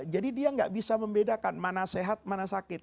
jadi dia tidak bisa membedakan mana sehat mana sakit